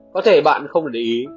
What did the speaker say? có thể bạn không để ý